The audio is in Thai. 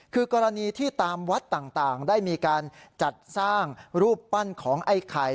คือกรณีที่ตามวัดต่างได้มีการจัดสร้างรูปปั้นของไอ้ไข่